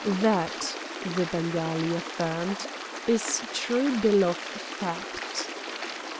"Thatt," the Bengali affirmed, "is true bill of factt."